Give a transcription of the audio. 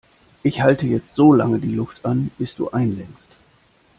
Ich halte jetzt so lange die Luft an, bis du einlenkst.